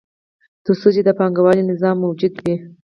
تر څو چې د پانګوالي نظام موجود وي